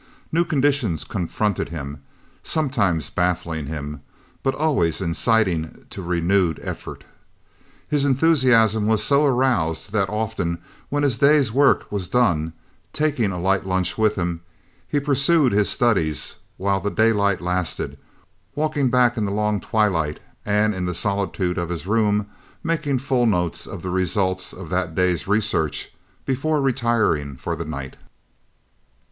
New conditions confronted him, sometimes baffling him, but always inciting to renewed effort. His enthusiasm was so aroused that often, when his day's work was done, taking a light lunch with him, he pursued his studies while the daylight lasted, walking back in the long twilight, and in the solitude of his room making full notes of the results of that day's research before retiring for the night.